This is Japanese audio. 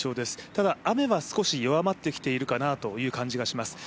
ただ雨は少し弱まってきているかなという印象です。